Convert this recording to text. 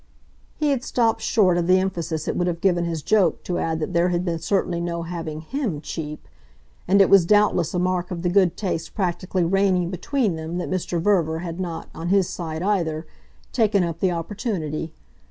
He had stopped short of the emphasis it would have given his joke to add that there had been certainly no having HIM cheap; and it was doubtless a mark of the good taste practically reigning between them that Mr. Verver had not, on his side either, taken up the opportunity.